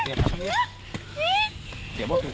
มาทำอะไร